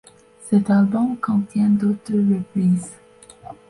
Cet album contient d'autres reprises.